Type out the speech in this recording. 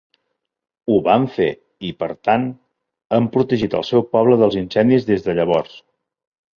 Ho van fer i, per tant, han protegit el seu poble dels incendis des de llavors.